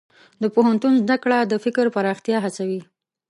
د پوهنتون زده کړه د فکر پراختیا هڅوي.